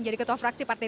jadi ketua fraksi partai